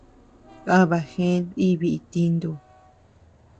Kaba gëe diibi itintu.